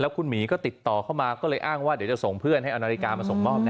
คุณหมีก็ติดต่อเข้ามาก็เลยอ้างว่าเดี๋ยวจะส่งเพื่อนให้เอานาฬิกามาส่งมอบนะ